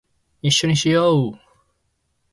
一緒にしよ♡